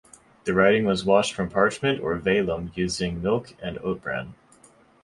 The writing was washed from parchment or vellum using milk and oat bran.